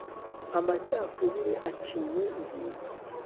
amacakubiri aciye ibintu;